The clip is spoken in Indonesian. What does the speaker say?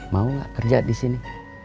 mau kerja di sini